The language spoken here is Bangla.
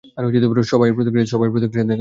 সবাই এই প্রতিক্রিয়া দেখায়।